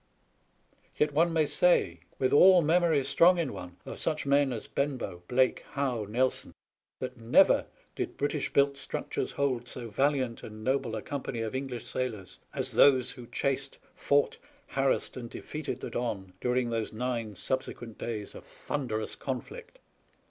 Yet one may say, with all memory strong in one of such men as Eenbow, Blake, Howe, Nelson, that never did British built struc tures hold so valiant and noble a company of English sailors as those who chased, fought, harassed, and defeated the Don during those nine subsequent days of thunderous conflict.